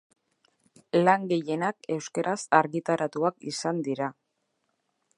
Lan gehienak euskaraz argitaratuak izan dira.